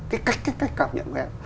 cái cách cảm nhận của em